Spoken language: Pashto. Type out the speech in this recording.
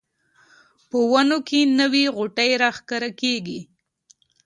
په ونو کې نوې غوټۍ راښکاره کیږي